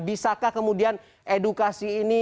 bisakah kemudian edukasi ini